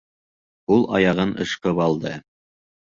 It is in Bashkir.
Һул аяғын ышҡып алды.